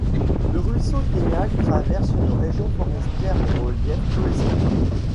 Le ruisseau Teagues traverse une région forestière au relief peu escarpé.